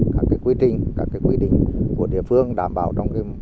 các quy trình các quy định của địa phương đảm bảo trong